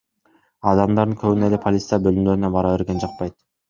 Адамдардын көбүнө эле полиция бөлүмдөрүнө бара берген жакпайт.